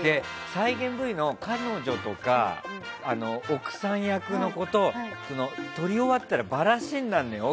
再現Ｖの彼女とか奥さん役の子と撮り終わったらばらしになるのよ。